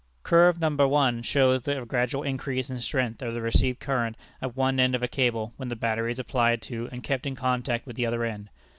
Curve No. I. shows the gradual increase in strength of the received current at one end of a cable when the battery is applied to and kept in contact with the other end.